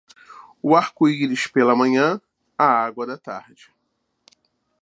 O arco-íris pela manhã, a água da tarde.